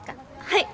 はい。